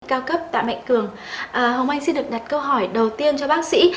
cao cấp tạ mạnh cường hồng anh xin được đặt câu hỏi đầu tiên cho bác sĩ